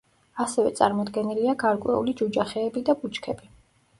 ასევე წარმოდგენილია გარკვეული ჯუჯა ხეები და ბუჩქები.